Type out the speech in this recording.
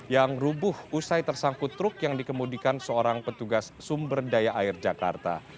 yang rubuh usai tersangkut truk yang dikemudikan seorang petugas sumber daya air jakarta